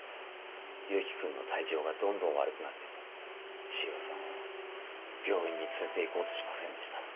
勇気君の体調がどんどん悪くなっても千尋さんは病院に連れて行こうとしませんでした。